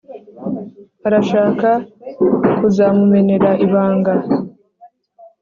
arashaka kuzamumenera ibanga.